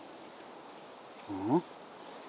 うん？